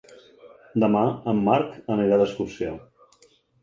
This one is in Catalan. Demà en Marc anirà d'excursió.